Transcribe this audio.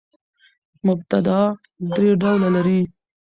مبتداء درې ډولونه لري.